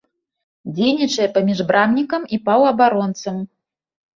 Дзейнічае паміж брамнікам і паўабаронцам.